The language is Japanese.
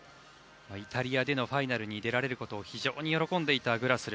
イタリアでのファイナルに出られることを喜んでいたグラスル。